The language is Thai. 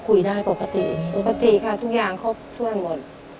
คุยได้ประกัติตรงนี้ประกติค่ะทุกอย่างครบต้นหมด